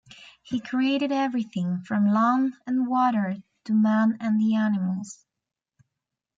He created everything, from land and water to man and the animals.